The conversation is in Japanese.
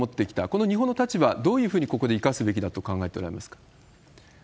この日本の立場、どういうふうにここで生かすべきだと考えておられますか？